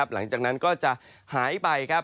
หลังจากนั้นก็จะหายไปครับ